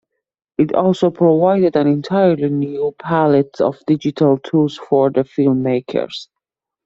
It also provided an entirely new palette of digital tools for the film-makers.